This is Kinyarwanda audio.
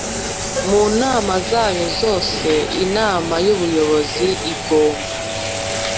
Mu nama zayo zose inama y ubuyobozi igomba